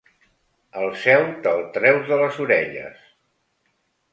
El seu te'l treus de les orelles.